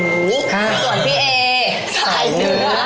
ส่วนพี่เอชายเนื้อ